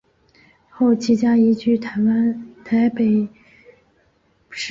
后其家移居台湾台北市。